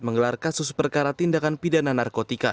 menggelar kasus perkara tindakan pidana narkotika